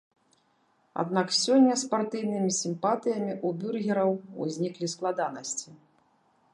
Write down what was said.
Аднак сёння з партыйнымі сімпатыямі ў бюргераў узніклі складанасці.